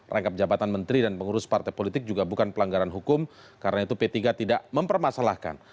rangkap jabatan menteri dan pengurus partai politik juga bukan pelanggaran hukum karena itu p tiga tidak mempermasalahkan